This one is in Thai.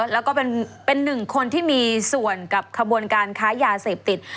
แล้วก็เป็นหนึ่งคนที่มีส่วนกับขบวนการค้ายาเสพติด